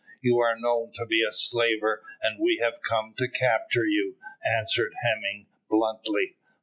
"You are known to be a slaver, and we have come to capture you," answered Hemming, bluntly.